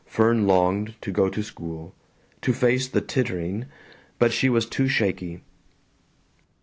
Fern longed to go to school, to face the tittering, but she was too shaky.